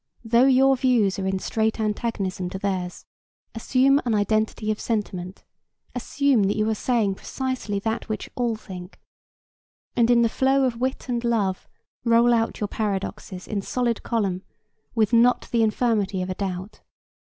Though your views are in straight antagonism to theirs, assume an identity of sentiment, assume that you are saying precisely that which all think, and in the flow of wit and love roll out your paradoxes in solid column, with not the infirmity of a doubt.